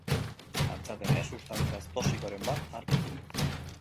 Antza denez, substantzia toxikoren bat hartu du.